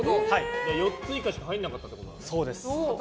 ４つしか入らなかったってことか。